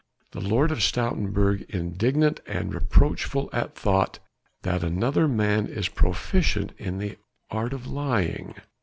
The Lord of Stoutenburg indignant and reproachful at thought that another man is proficient in the art of lying."